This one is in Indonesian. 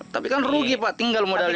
tapi kan rugi pak tinggal modalnya